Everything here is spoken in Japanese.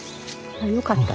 あっよかった。